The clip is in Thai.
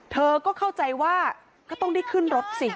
เธอก็เข้าใจว่าก็ต้องได้ขึ้นรถสิ